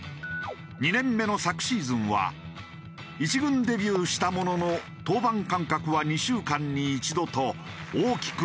２年目の昨シーズンは１軍デビューしたものの登板間隔は２週間に１度と大きく空けていた。